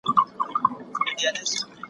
د نيولو په تكل به زوړ او ځوان سو